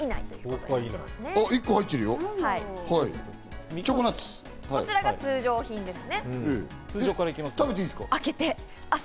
こちらが通常品です。